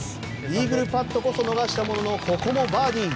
イーグルパットこそ逃したもののここもバーディー。